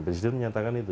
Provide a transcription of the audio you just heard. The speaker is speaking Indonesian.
presiden menyatakan itu